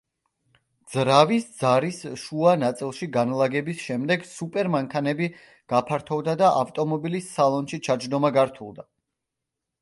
ძრავის ძარის შუა ნაწილში განლაგების შემდეგ სუპერ მანქანები გაფართოვდა და ავტომობილის სალონში ჩაჯდომა გართულდა.